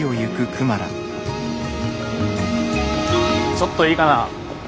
ちょっといいかな？